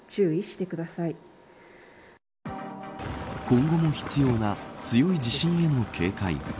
今後も必要な強い地震への警戒。